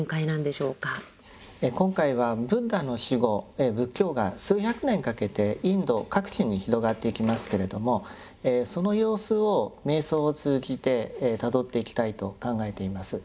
今回はブッダの死後仏教が数百年かけてインド各地に広がっていきますけれどもその様子を瞑想を通じてたどっていきたいと考えています。